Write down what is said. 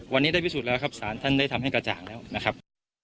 วันนี้ได้พิสูจน์แล้วครับสารท่านได้ทำให้กระจ่างแล้วนะครับ